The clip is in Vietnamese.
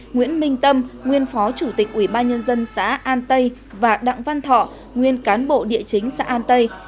nguyễn minh tâm nguyên phó chủ tịch ủy ban nhân dân xã an tây và đặng văn thọ nguyên cán bộ địa chính xã an tây